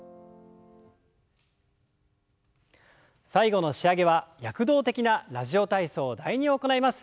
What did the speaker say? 最後の仕上げは躍動的な「ラジオ体操第２」を行います。